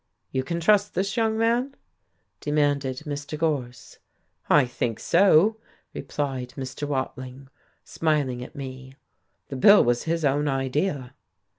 "You can trust this young man?" demanded Mr. Gorse. "I think so," replied Mr. Watling, smiling at me. "The bill was his own idea."